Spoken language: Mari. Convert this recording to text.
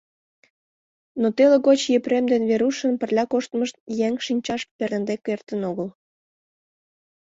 Но теле гоч Епрем ден Верушын пырля коштмышт еҥ шинчаш перныде кертын огыл.